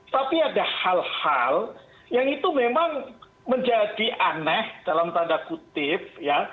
tapi ada hal hal yang itu memang menjadi aneh dalam tanda kutip ya